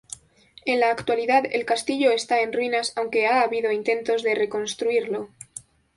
En la actualidad el Castillo está en ruinas aunque ha habido intentos de reconstruirlo.